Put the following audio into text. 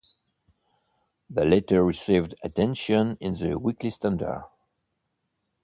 The latter received attention in the Weekly Standard.